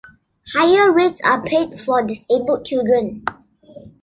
Higher rates are paid for disabled children.